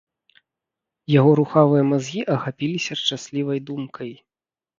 Яго рухавыя мазгі ахапіліся шчаслівай думкай.